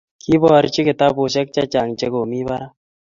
koiborchi kitabushek chechang che komii barak